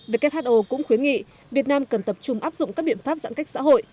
who cũng khuyến nghị việt nam cần tập trung áp dụng các biện pháp giãn cách xã hội